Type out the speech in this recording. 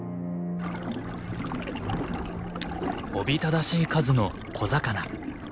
おびただしい数の小魚。